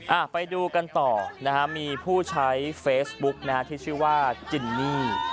อ่าไปดูกันต่อนะฮะมีผู้ใช้เฟซบุ๊กนะฮะที่ชื่อว่าจินนี่